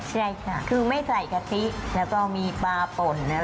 ใช่ค่ะคือไม่ใส่กะทิแล้วก็มีปลาป่นนะ